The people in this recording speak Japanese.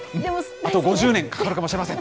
あと５０年かかるかもしれません。